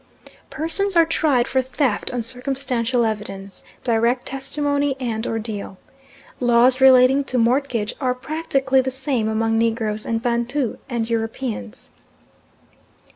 Persons are tried for theft on circumstantial evidence, direct testimony, and ordeal. Laws relating to mortgage are practically the same among Negroes and Bantu and Europeans.